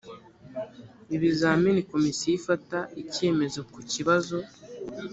ibizamini komisiyo ifata icyemezo ku kibazo